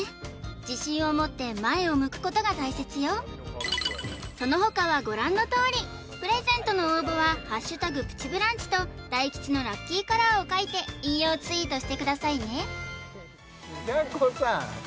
自信を持って前を向くことが大切よその他はご覧のとおりプレゼントの応募は「＃プチブランチ」と大吉のラッキーカラーを書いて引用ツイートしてくださいね平子さーん